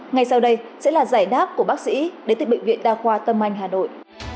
ngay sau đây sẽ là giải đáp của bác sĩ đến từ bệnh viện đa khoa tâm anh hà nội